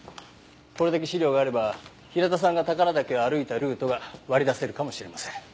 これだけ資料があれば平田さんが宝良岳を歩いたルートが割り出せるかもしれません。